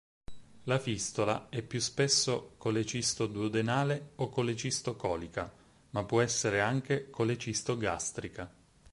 La fistola è più spesso colecisto-duodenale o colecisto-colica, ma può essere anche colecisto-gastrica.